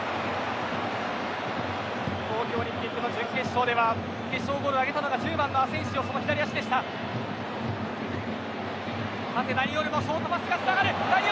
東京オリンピックの準決勝では決勝ゴールを挙げたのが１０番のアセンシオ。